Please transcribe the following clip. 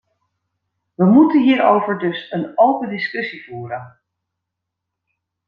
We moeten hierover dus een open discussie voeren.